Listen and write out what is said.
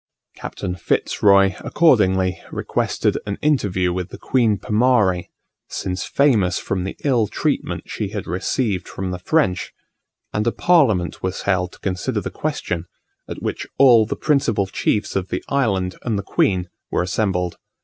Captain Fitz Roy accordingly requested an interview with the Queen Pomarre, since famous from the ill treatment she had received from the French; and a parliament was held to consider the question, at which all the principal chiefs of the island and the queen were assembled.